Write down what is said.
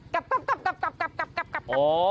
กลับกลับกลับกลับ